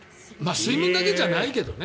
睡眠だけじゃないけどね。